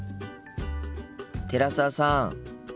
寺澤さん。